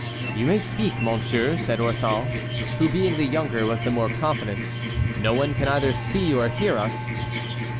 "You may speak, monsieur," said Orthon, who being the younger was the more confident; "no one can either see or hear us."